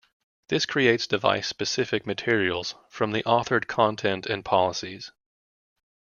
This creates device-specific materials from the authored content and policies.